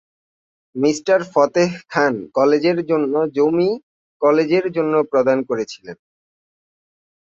Mr Fateh Khan কলেজের জন্য জমি কলেজের জন্য প্রদান করেছিলেন।